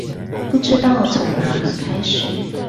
不知道從哪裡開始